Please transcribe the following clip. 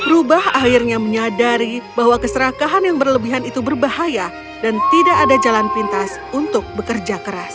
rubah akhirnya menyadari bahwa keserakahan yang berlebihan itu berbahaya dan tidak ada jalan pintas untuk bekerja keras